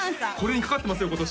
これにかかってますよ